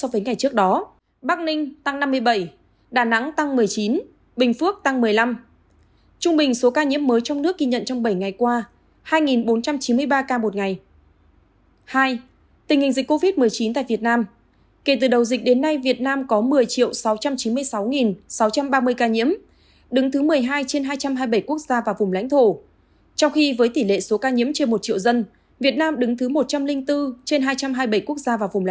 việt nam đứng thứ một trăm linh bốn trên hai trăm hai mươi bảy quốc gia và vùng lãnh thổ bình quân cứ một triệu người có một trăm linh tám tám mươi năm ca nhiễm